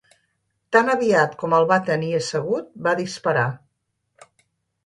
Tan aviat com el va tenir assegut va disparar.